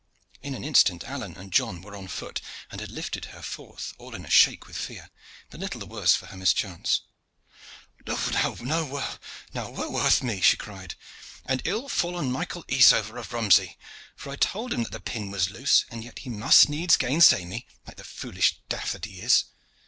In an instant Alleyne and John were on foot, and had lifted her forth all in a shake with fear, but little the worse for her mischance. "Now woe worth me!" she cried, "and ill fall on Michael Easover of Romsey! for I told him that the pin was loose, and yet he must needs gainsay me, like the foolish daffe that he is."